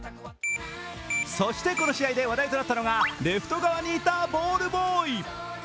そして、この試合で話題となったのがレフト側にいたボールボーイ。